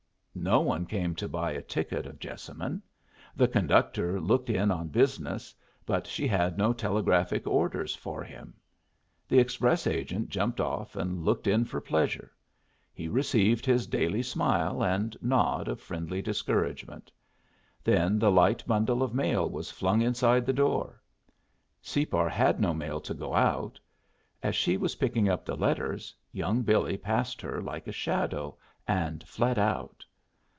No one came to buy a ticket of Jessamine. The conductor looked in on business, but she had no telegraphic orders for him. The express agent jumped off and looked in for pleasure. He received his daily smile and nod of friendly discouragement. Then the light bundle of mail was flung inside the door. Separ had no mail to go out. As she was picking up the letters young Billy passed her like a shadow, and fled out.